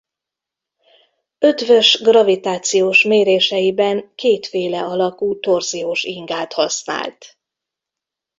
Eötvös gravitációs méréseiben kétféle alakú torziós ingát használt.